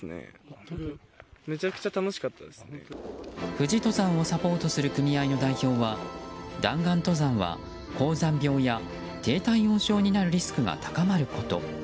富士登山をサポートする組合の代表は弾丸登山は高山病や低体温症になるリスクが高まること。